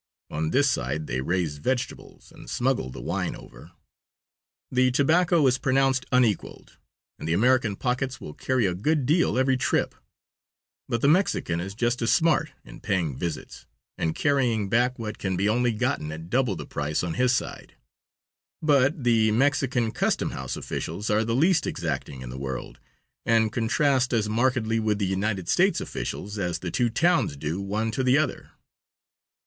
On this side they raise vegetables and smuggle the wine over. The tobacco is pronounced unequaled, and the American pockets will carry a good deal every trip, but the Mexican is just as smart in paying visits and carrying back what can be only gotten at double the price on his side; but the Mexican custom house officials are the least exacting in the world, and contrast as markedly with the United States' officials as the two towns do one to the other.